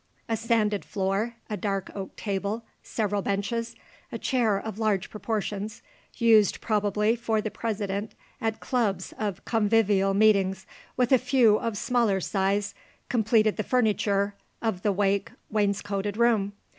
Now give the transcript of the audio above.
A sanded floor, a dark oak table, several benches, a chair of large proportions, used probably for the president at clubs of convivial meetings; with a few of smaller size, completed the furniture of the oak wainscoted room.